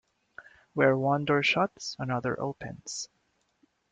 Where one door shuts, another opens.